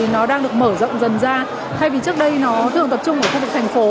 nó đang được mở rộng dần ra thay vì trước đây nó thường tập trung ở khu vực thành phố